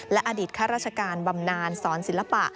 และอดีตข้าราชการบำนานสอนศิลปะ